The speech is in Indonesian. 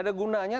tidak ada gunanya